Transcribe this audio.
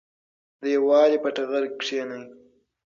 د یووالي په ټغر کېنئ.